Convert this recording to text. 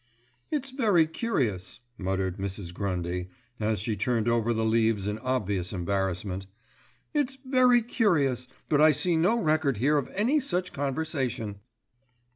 "It's very curious," muttered Mrs. Grundy, as she turned over the leaves in obvious embarrassment. "It's very curious, but I see no record here of any such conversation."